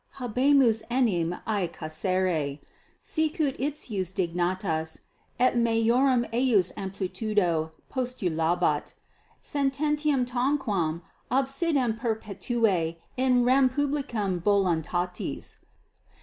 Habemus enim a Caesare, sicut ipsius dignitas et maiorum eius amplitudo postulabat, sententiam tamquam obsidem perpetuae in rem publicam voluntatis.